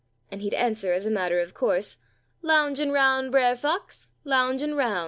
and he'd answer as a matter of course, 'Lounjun roun', Brer Fox, lounjun roun'."